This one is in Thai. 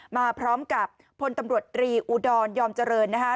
มาพร้อมกับพลตำรวจตรีอุดรยอมเจริญนะคะ